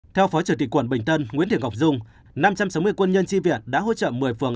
theo phó chủ tịch quận bình tân nguyễn thị ngọc dung năm trăm sáu mươi quân nhân tri viện đã hỗ trợ một mươi phường